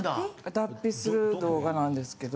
脱皮する動画なんですけど。